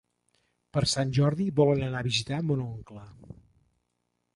Per Sant Jordi volen anar a visitar mon oncle.